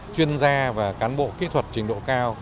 chuyên gia và cán bộ kỹ thuật trình độ cao